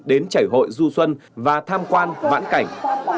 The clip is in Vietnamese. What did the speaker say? đến chảy hội du xuân và tham quan vãn cảnh